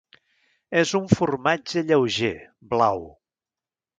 És un formatge lleuger, blau.